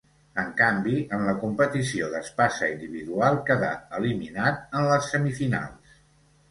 En canvi en la competició d'espasa individual quedà eliminat en les semifinals.